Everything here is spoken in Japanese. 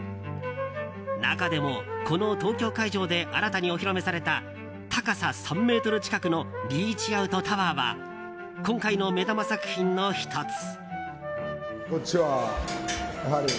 中でも、この東京会場で新たにお披露目された高さ３ｍ近くの「ＲＥＡＣＨＯＵＴＴＯＷＥＲ」は今回の目玉作品の１つ。